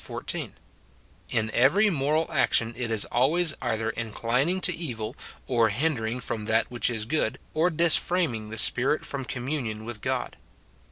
14 ; in every moral action it is always either inclining to evil, or hindering from that which is good, or disframing the spirit from communion with God.